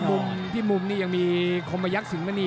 หรือว่าผู้สุดท้ายมีสิงคลอยวิทยาหมูสะพานใหม่